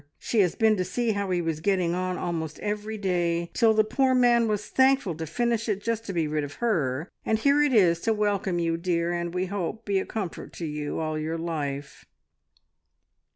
She has been to see how he was getting on almost every day, till the poor man was thankful to finish it, just to be rid of her, and here it is to welcome you, dear, and, we hope, to be a comfort to you, all your life."